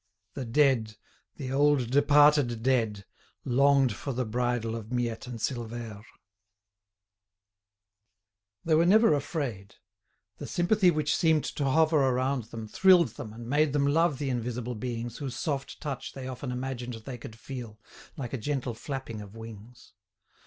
The dead, the old departed dead, longed for the bridal of Miette and Silvère. They were never afraid. The sympathy which seemed to hover around them thrilled them and made them love the invisible beings whose soft touch they often imagined they could feel, like a gentle flapping of wings.